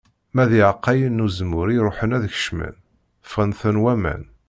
Ma d iεeqqayen n uzemmur i iruḥen ad kemcen, fγen-ten waman.